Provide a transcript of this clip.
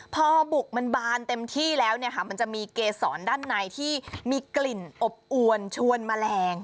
พอบุกมันบานเต็มที่แล้วเนี่ยค่ะมันจะมีเกษรด้านในที่มีกลิ่นอบอวนชวนแมลง